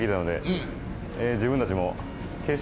自分たちも。